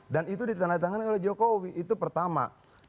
dan itu ditanda tangan oleh jokowi itu pertama